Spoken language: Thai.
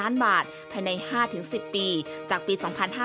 ใน๕๑๐ปีจากปี๒๕๕๘